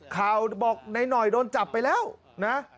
ข่าวบอกนายหน่อยโดนจับไปแล้วนะ